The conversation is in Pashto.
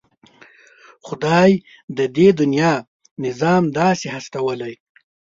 خدای د دې دنيا نظام داسې هستولی.